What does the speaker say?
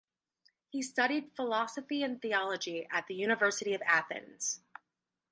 He studied philosophy and theology at the University of Athens.